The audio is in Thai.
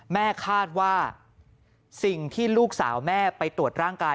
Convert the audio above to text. แม่คาดว่าสิ่งที่ลูกสาวแม่ไปตรวจร่างกาย